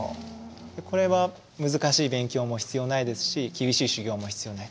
これは難しい勉強も必要ないですし厳しい修行も必要ない。